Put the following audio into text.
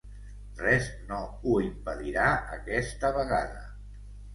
Res no ho impedirà, aquesta vegada.